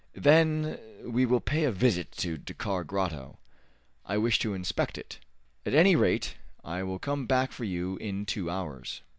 "Then we will pay a visit to Dakkar Grotto. I wish to inspect it. At any rate I will come back for you in two hours."